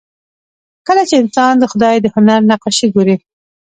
کله چې انسان د خدای د هنر نقاشي ګوري